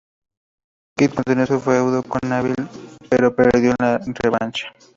Kidd continuó su feudo con Neville pero perdió en la revancha.